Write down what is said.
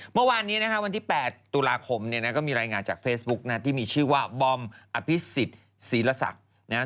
เมื่อวานนี้นะคะวันที่๘ตุลาคมเนี่ยนะก็มีรายงานจากเฟซบุ๊กนะที่มีชื่อว่าบอมอภิษฎศีลศักดิ์นะฮะ